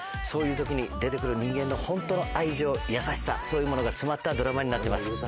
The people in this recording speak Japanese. そういう時に出て来る人間の本当の愛情優しさそういうものが詰まったドラマになってます